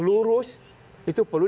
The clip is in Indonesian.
lurus itu perlu